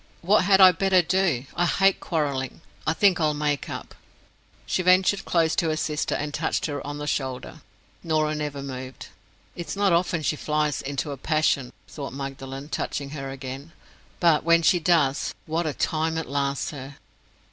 "What had I better do? I hate quarreling: I think I'll make up." She ventured close to her sister and touched her on the shoulder. Norah never moved. "It's not often she flies into a passion," thought Magdalen, touching her again; "but when she does, what a time it lasts her!